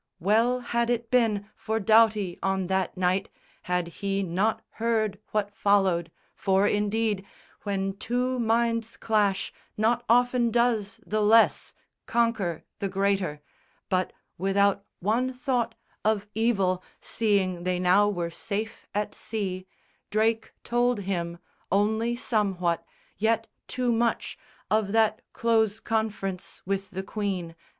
Well had it been for Doughty on that night Had he not heard what followed; for, indeed, When two minds clash, not often does the less Conquer the greater; but, without one thought Of evil, seeing they now were safe at sea, Drake told him, only somewhat, yet too much, Of that close conference with the Queen.